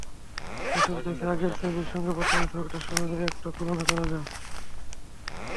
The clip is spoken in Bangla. এসব দেখে আগের ছবির সঙ্গে বর্তমান ছবিটার সহজেই একটা তুলনা করা যায়।